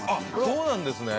そうなんですね。